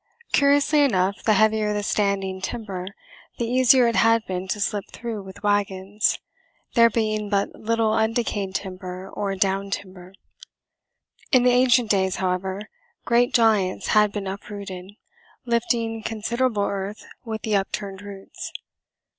Curiously enough, the heavier the standing timber, the easier it had been to slip through with wagons, there being but little undecayed timber or down timber. In the ancient days, however, great giants had been uprooted, lifting considerable earth with the upturned roots.